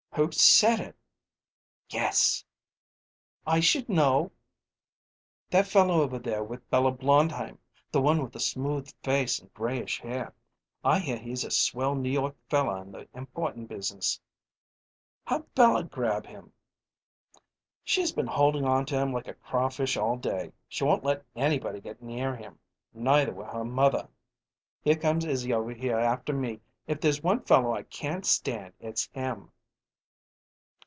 "Who said it?" "Guess." "I should know!" "That fellow over there with Bella Blondheim the one with the smooth face and grayish hair. I hear he's a swell New York fellow in the importin' business." "How'd Bella grab him?" "She's been holdin' on to him like a crawfish all day. She won't let anybody get near him neither will her mother." "Here comes Izzy over here after me! If there's one fellow I can't stand it's him."